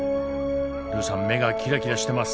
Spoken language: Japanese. ルーさん目がキラキラしてます。